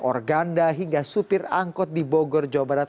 organda hingga supir angkot di bogor jawa barat